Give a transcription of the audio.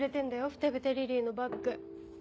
「ふてぶてリリイ」のバッグ。